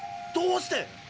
どうして？